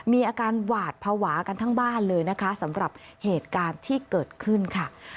มีอาการหวาดภาวะกันทั้งบ้านเลยนะคะสำหรับเหตุการณ์ที่เกิดขึ้นค่ะ